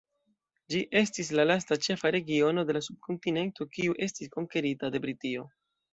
Ĝi estis la lasta ĉefa regiono de la subkontinento kiu estis konkerita de Britio.